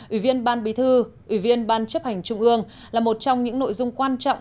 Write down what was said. ủy viên ban bí thư ủy viên ban chấp hành trung ương là một trong những nội dung quan trọng